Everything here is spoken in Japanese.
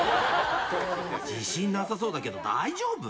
自信なさそうだけど大丈夫？